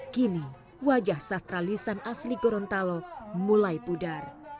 kini wajah sastra lisan asli gorontalo mulai pudar